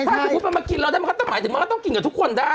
ถ้าเจ้าคุณปะมากินแล้วได้หมายถึงเราก็ต้องกินกับทุกคนได้